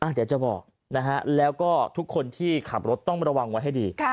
เดี๋ยวจะบอกนะฮะแล้วก็ทุกคนที่ขับรถต้องระวังไว้ให้ดี